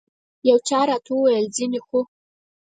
یو چا راته وویل ځینې خو.